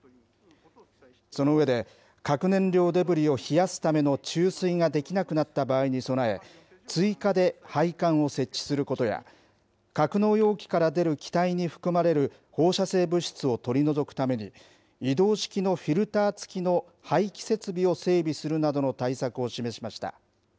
その上で、核燃料デブリを冷やすための注水ができなくなった場合に備え、追加で配管を設置することや、格納容器から出る気体に含まれる放射性物質を取り除くために、移動式のフィルター付きの排気設備を整備するなどの対策を示しました。